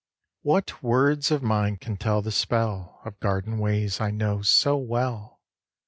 IV. What words of mine can tell the spell Of garden ways I know so well?